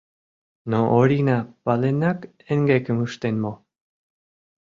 Но Орина паленак эҥгекым ыштен мо?